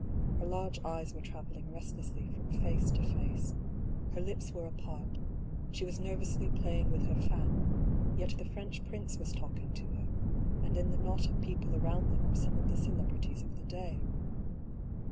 Her large eyes were travelling restlessly from face to face, her lips were apart, she was nervously playing with her fan, yet the French prince was talking to her, and in the knot of people around them were some of the celebrities of the day.